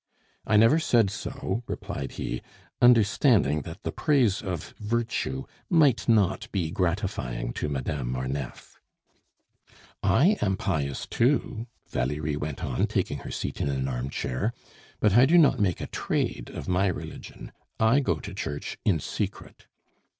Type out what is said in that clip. "I never said so," replied he, understanding that the praise of virtue might not be gratifying to Madame Marneffe. "I am pious too," Valerie went on, taking her seat in an armchair; "but I do not make a trade of my religion. I go to church in secret."